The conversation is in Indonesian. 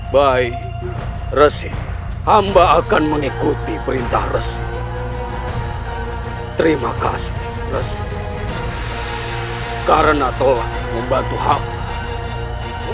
bayi resi hamba akan mengikuti perintah resi terima kasih karena tolong membantu hampa